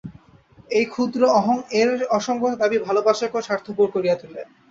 এই ক্ষুদ্র অহং-এর অসঙ্গত দাবী ভালবাসাকেও স্বার্থপর করিয়া তুলে।